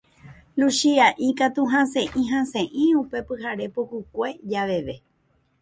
Luchia'i katu hasẽ'i hasẽ'i upe pyhare pukukue javeve.